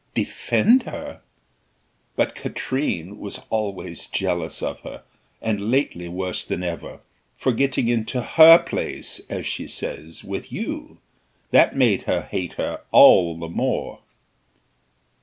"Defend her!" "But Katrine was always jealous of her, and lately worse than ever, for getting into her place, as she says, with you; that made her hate her all the more."